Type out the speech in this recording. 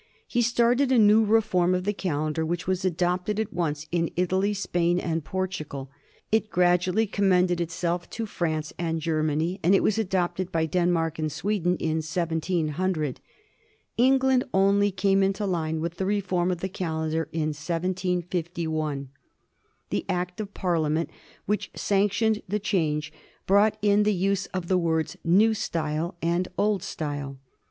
He started a new reform of the calendar, which was adopted at once in Italy, Spain, and Portugal. It gradually commended itself to France and Germany, and it was adopted by Denmark and Sweden in 1700. England only came into line with the reform of the cal endar in 1751. The Act of Parliament which sanctioned the change brought in the use of the words " new style " and " old style."